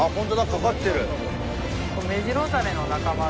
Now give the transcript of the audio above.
掛かってる。